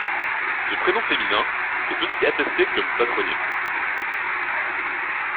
Ce prénom féminin est aussi attesté comme patronyme.